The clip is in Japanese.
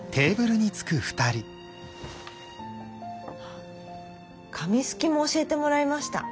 あっ紙すきも教えてもらいました。